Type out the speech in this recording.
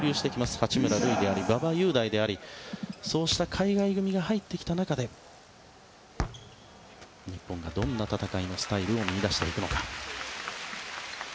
八村塁であり馬場雄大でありそういう海外組が入ってきた中で日本がどんな戦いのスタイルを見いだしていくのか。